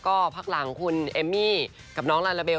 ก็พักหลังคุณเอมมี่กับน้องลาลาเบล